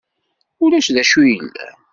Ulac d acu yellan.